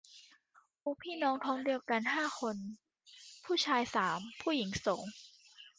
กูพี่น้องท้องเดียวกันห้าคน ผู้ชายสาม ผู้หญิงโสง